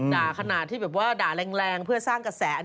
ด่าขนาดที่ด่าลังเพื่อสร้างกระแส